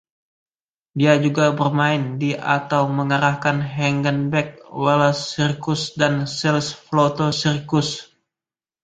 Dia juga bermain di atau mengarahkan Hagenbeck-Wallace Circus dan Sells-Floto Circus.